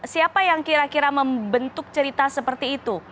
siapa yang kira kira membentuk cerita seperti itu